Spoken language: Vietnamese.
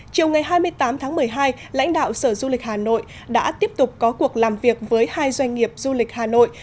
chiều ngày hai mươi tám tháng một mươi hai lãnh đạo sở du lịch hà nội đã tiếp tục có cuộc làm việc với hai doanh nghiệp du lịch hà nội